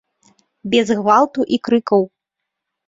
Без гвалту і крыкаў.